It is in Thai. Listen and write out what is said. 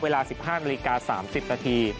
เวลา๑๕นาฬิกา๓๐นาที